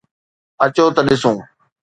اچو ته ڏسون.